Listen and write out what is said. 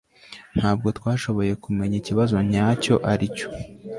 ntabwo twashoboye kumenya ikibazo nyacyo aricyo